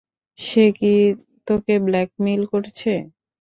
সে কি তোকে ব্ল্যাকমেইল করছে?